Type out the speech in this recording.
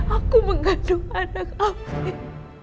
aku mengandung anak afif